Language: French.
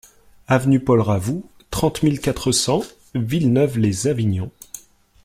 Avenue Paul Ravoux, trente mille quatre cents Villeneuve-lès-Avignon